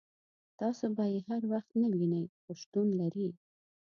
تاسو به یې هر وخت نه وینئ خو شتون لري.